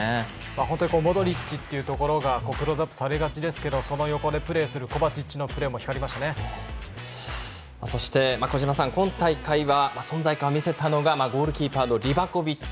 本当にモドリッチというところがクローズアップされがちですけれどもその横でプレーするコバチッチのそして小島さん、今大会は存在感を見せたのがゴールキーパーのリバコビッチ